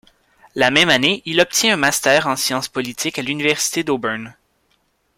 La même année, il obtint un master en sciences politiques à l'Université d'Auburn.